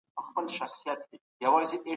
بهرنۍ تګلاره یوازې د اقتصادي ګټو لپاره نه ده.